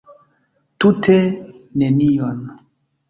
Tute nenion.